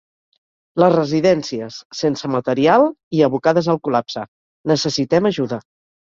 Les residències, sense material i abocades al col·lapse: ‘necessitem ajuda’